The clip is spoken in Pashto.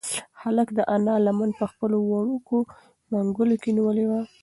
هلک د انا لمن په خپلو وړوکو منگولو کې نیولې وه.